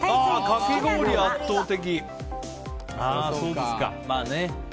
かき氷が圧倒的。